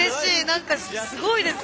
何かすごいです。